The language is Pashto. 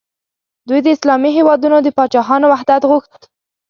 دوی د اسلامي هیوادونو د پاچاهانو وحدت غوښت.